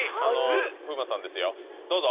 風磨さんですよどうぞ。